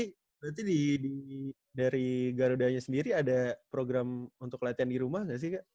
berarti dari garuda nya sendiri ada program untuk latihan di rumah ga sih kak